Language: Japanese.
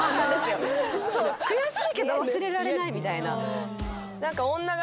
悔しいけど忘れられないみたいな。